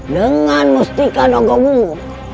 dengan mustika nogobungu